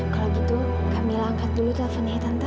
kalau gitu kak mila angkat dulu teleponnya tante